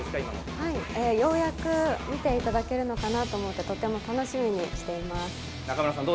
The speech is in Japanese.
ようやく見ていただけるのかなと思って、とっても楽しみにしています。